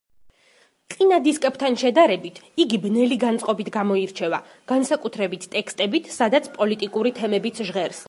წინა დისკებთან შედარებით, იგი ბნელი განწყობით გამოირჩევა, განსაკუთრებით ტექსტებით, სადაც პოლიტიკური თემებიც ჟღერს.